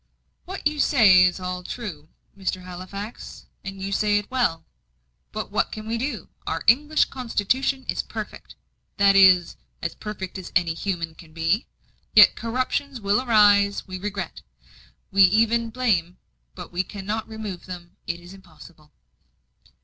"What you say is all true, Mr. Halifax; and you say it well. But what can we do? Our English constitution is perfect that is, as perfect as anything human can be. Yet corruptions will arise; we regret, we even blame but we cannot remove them. It is impossible."